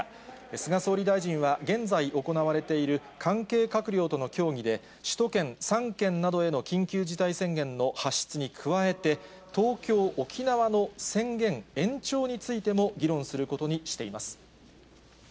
菅総理大臣は、現在行われている関係閣僚との協議で、首都圏３県などへの緊急事態宣言の発出に加えて、東京、沖縄の宣言延長についても議論することにしています。